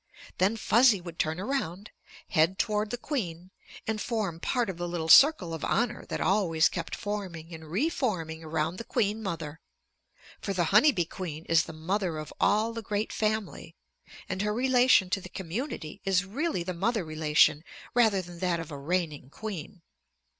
Then Fuzzy would turn around, head toward the queen, and form part of the little circle of honor that always kept forming and re forming around the queen mother. For the honey bee queen is the mother of all the great family, and her relation to the community is really the mother relation rather than that of a reigning queen.